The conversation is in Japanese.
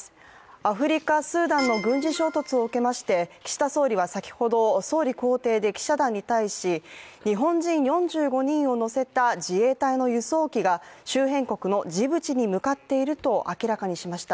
アフリカ・スーダンの軍事衝突を受けまして岸田総理は先ほど総理公邸で記者団に対し、日本人４５人を乗せた自衛隊の輸送機が周辺国のジブチに向かっていると明らかにしました。